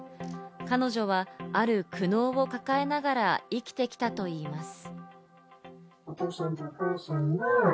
彼女はある苦悩を抱えながら生きてきたといいます。